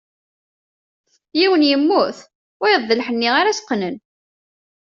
Yiwen yemmut, wayeḍ d lḥenni ara s-qqnen.